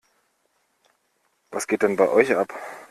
Was geht denn bei euch ab?